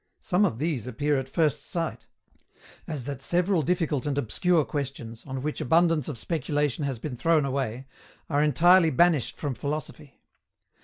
Some of these appear at first sight as that several difficult and obscure questions, on which abundance of speculation has been thrown away, are entirely banished from philosophy.